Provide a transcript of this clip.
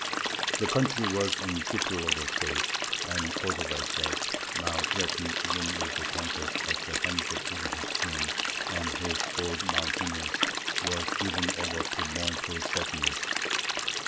The country was in a deplorable state, and Cordova itself, now threatened even with conquest at the hands of Ibn Hafsūn and his bold mountaineers, was given over to mournful sadness.